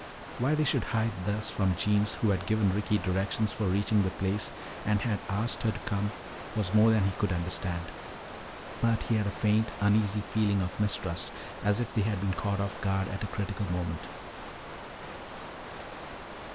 Why they should hide thus from Jeems who had given Ricky directions for reaching the place and had asked her to come, was more than he could understand. But he had a faint, uneasy feeling of mistrust, as if they had been caught off guard at a critical moment.